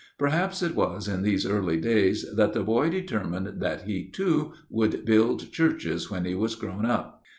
Perhaps it was in these early days that the boy determined that he, too, would build churches when he was grown up.